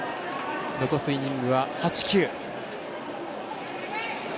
残すイニングは８９。